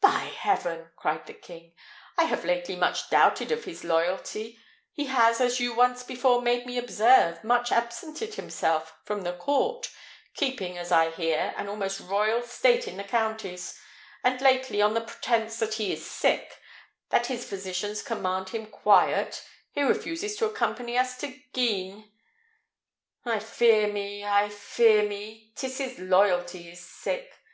"By heaven!" cried the king, "I have lately much doubted of his loyalty. He has, as you once before made me observe, much absented himself from the court, keeping, as I hear, an almost royal state in the counties; and lately, on the pretence that he is sick, that his physicians command him quiet, he refuses to accompany us to Guisnes. I fear me, I fear me, 'tis his loyalty is sick.